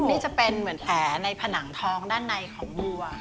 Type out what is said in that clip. นี่จะเป็นเหมือนแผลในผนังทองด้านในของบัว